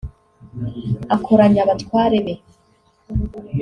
akoranya abatware be